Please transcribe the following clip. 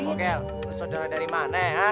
moke lu saudara dari mana ya